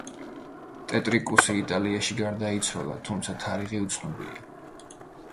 ტეტრიკუსი იტალიაში გარდაიცვალა, თუმცა თარიღი უცნობია.